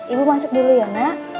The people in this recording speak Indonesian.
ibu masuk dulu ya mbak